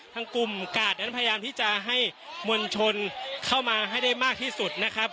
ทางกลุ่มกาดนั้นพยายามที่จะให้มวลชนเข้ามาให้ได้มากที่สุดนะครับ